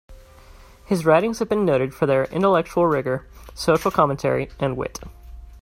His writings have been noted for their intellectual rigor, social commentary, and wit.